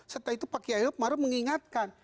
setelah itu pak kiai maruf mengingatkan